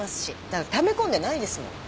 だからため込んでないですもん。